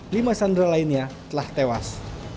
lima sandra lainnya telah tewas